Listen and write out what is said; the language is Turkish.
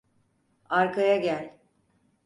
Arkaya gel.